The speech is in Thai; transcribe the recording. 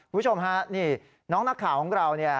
คุณผู้ชมฮะนี่น้องนักข่าวของเราเนี่ย